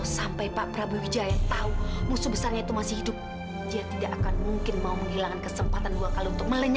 sampai jumpa di video selanjutnya